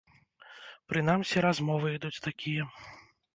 Прынамсі, размовы ідуць такія.